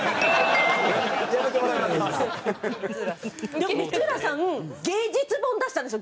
でも光浦さん芸術本出したんですよ。